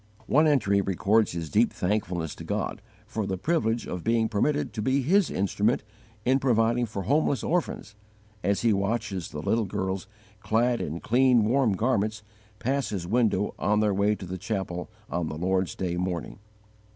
One entry records his deep thankfulness to God for the privilege of being permitted to be His instrument in providing for homeless orphans, as he watches the little girls, clad in clean warm garments, pass his window on their way to the chapel on the Lord's day morning.